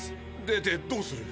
出てどうする？